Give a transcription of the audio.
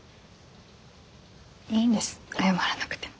いいんです謝らなくても。